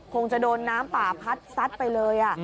คงจะโดนน้ำป่าพัดซัดไปเลย